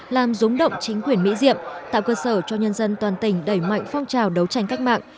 làm rúng động chính quyền mỹ diệm tạo cơ sở cho nhân dân toàn tỉnh đẩy mạnh phong trào đấu tranh cách mạng